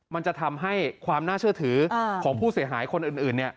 มันจะทำให้ความน่าเชื่อถือของผู้เสียหายคนอื่น